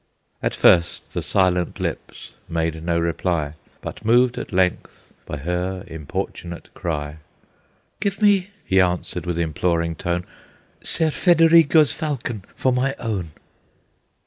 At first the silent lips made no reply, But, moved at length by her importunate cry, "Give me," he answered, with imploring tone, "Ser Federigo's falcon for my own!"